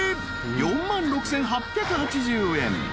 ［４万６，８８０円］